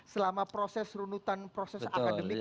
selama proses runutan proses akademik